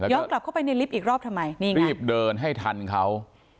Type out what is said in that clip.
กลับเข้าไปในลิฟต์อีกรอบทำไมนี่ไงรีบเดินให้ทันเขา